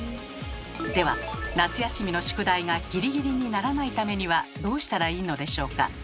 では夏休みの宿題がギリギリにならないためにはどうしたらいいのでしょうか？